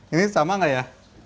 ini sama nggak ya